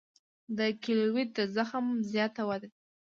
د کیلویډ د زخم زیاته وده ده.